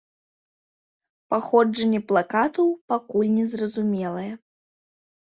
Паходжанне плакатаў пакуль незразумелае.